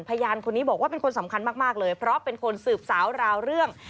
พยานคนนี้บอกว่าเป็นคนสำคัญมากเลยเพราะเป็นคนสืบสาวราวเรื่อง